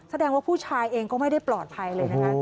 แสดงว่าผู้ชายเองก็ไม่ได้ปลอดภัยเลยนะคะ